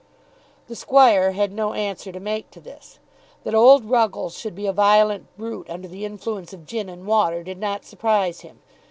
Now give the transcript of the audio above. The Squire had no answer to make to this. That old Ruggles should be a violent brute under the influence of gin and water did not surprise him.